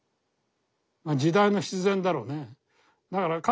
時代の必然だろうね。